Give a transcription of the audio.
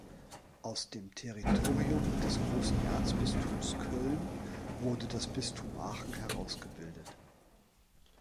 Aus dem Territorium des großen Erzbistums Köln wurde das Bistum Aachen herausgebildet.